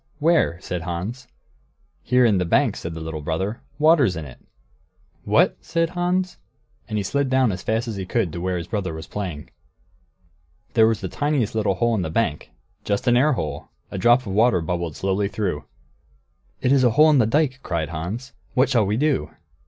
Where?" said Hans. "Here in the bank," said the little brother; "water's in it." "What!" said Hans, and he slid down as fast as he could to where his brother was playing. There was the tiniest little hole in the bank. Just an air hole. A drop of water bubbled slowly through. "It is a hole in the dike!" cried Hans. "What shall we do?"